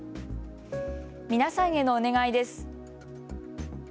皆さんへのお願いです。